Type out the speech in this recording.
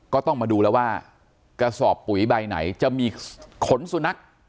ก็ต้องมาดูแล้วว่ากระสอบปุ๋ยใบไหนจะมีขนสุนัข